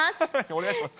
お願いします。